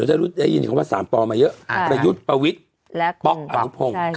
เราจะได้ยินว่าสามปมาเยอะประยุทธ์ประวิทธิ์และป๊อกอารุพงศ์